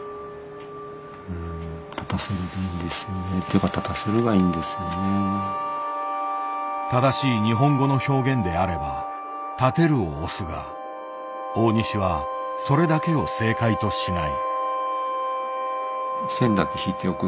うん正しい日本語の表現であれば「立てる」を推すが大西はそれだけを正解としない。